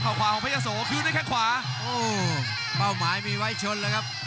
ข่าวขวาของเพชรโสคืนด้วยข้างขวาโอ้เป้าหมายมีไว้ชนเลยครับ